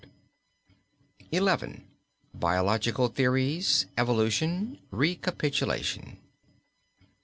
BIOLOGICAL THEORIES, EVOLUTION, RECAPITULATION.